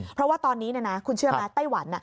เพราะว่าตอนนี้คุณเชื่อไหมไต้หวัน